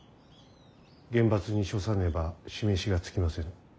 厳罰に処さねば示しがつきませぬ。